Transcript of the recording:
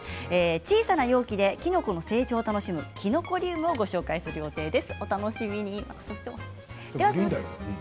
小さな容器できのこの成長を楽しむきのこリウムをご紹介する予定です。